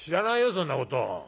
そんなこと。